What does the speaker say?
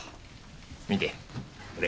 見てこれ。